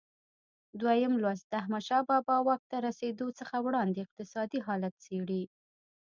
درېم لوست د احمدشاه بابا واک ته رسېدو څخه وړاندې اقتصادي حالت څېړي.